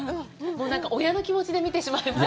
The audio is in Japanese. なんか親の気持ちで見てしまいます。